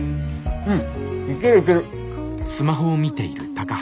うんいけるいける！